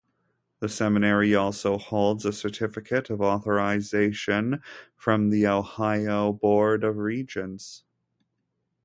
The seminary also holds a Certificate of Authorization from the Ohio Board of Regents.